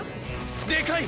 でかい！